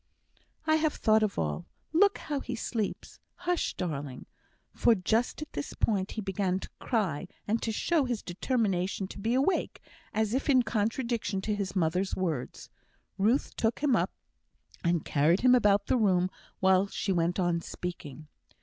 "I have thought of all. Look how he sleeps! Hush, darling;" for just at this point he began to cry, and to show his determination to be awake, as if in contradiction to his mother's words. Ruth took him up, and carried him about the room while she went on speaking.